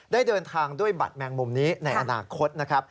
ได้เดินทางด้วยบัตรแมงมุมนี้ในอนาคตนะครับ